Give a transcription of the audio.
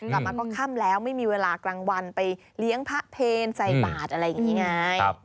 กลับมาก็ค่ำแล้วไม่มีเวลากลางวันไปเลี้ยงพระเพลใส่บาทอะไรอย่างนี้ไง